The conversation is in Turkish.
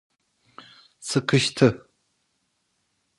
Sıkıştı.